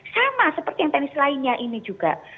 sama seperti yang tenis lainnya ini juga